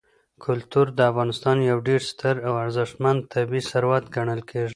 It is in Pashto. کلتور د افغانستان یو ډېر ستر او ارزښتمن طبعي ثروت ګڼل کېږي.